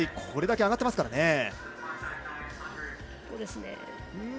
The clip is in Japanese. これだけ上がっていますからね。